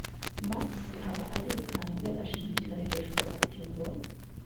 max aba arikanze ashidukira hejuru ati: ngo!’